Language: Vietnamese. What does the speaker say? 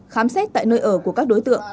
khám xét tại nơi ở của các đối tượng